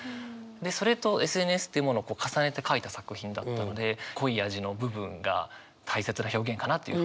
でそれとＳＮＳっていうものを重ねて書いた作品だったので濃い味の部分が大切な表現かなというふうに思ってますね。